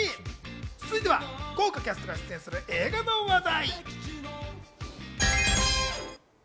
続いては豪華キャストが出演する映画の話題。